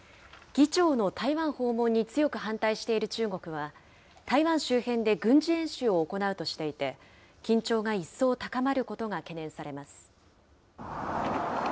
議長の台湾訪問に強く反対している中国は、台湾周辺で軍事演習を行うとしていて、緊張が一層高まることが懸念されます。